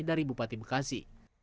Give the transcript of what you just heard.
dari bupati bekasi